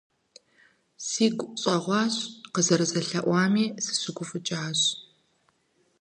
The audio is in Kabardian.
Сигу щӀэгъуащ, къызэрызэлъэӀуами сыщыгуфӀыкӀащ.